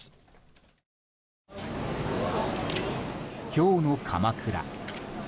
今日の鎌倉。